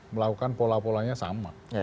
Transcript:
melakukan pola polanya sama